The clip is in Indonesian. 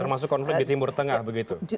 termasuk konflik di timur tengah begitu